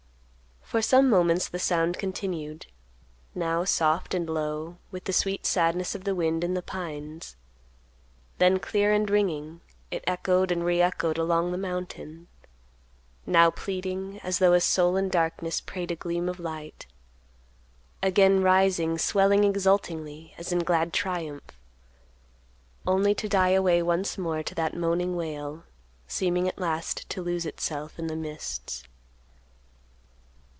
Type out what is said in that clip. For some moments the sound continued, now soft and low, with the sweet sadness of the wind in the pines; then clear and ringing, it echoed and reechoed along the mountain; now pleadings, as though a soul in darkness prayed a gleam of light; again rising, swelling exultingly, as in glad triumph, only to die away once more to that moaning wail, seeming at last to lose itself in the mists.